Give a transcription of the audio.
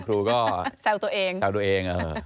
ครูก็แซวตัวเอง